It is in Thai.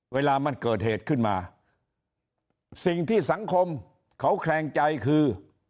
เวลามันเกิดเหตุขึ้นมาสิ่งที่สังคมเขาแคลงใจคือ